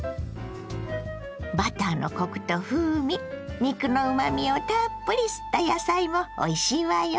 バターのコクと風味肉のうまみをたっぷり吸った野菜もおいしいわよ。